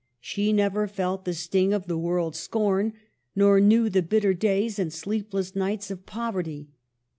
She never felt the sting of the world's scorn, nor knew the bitter days and sleepless nights of poverty.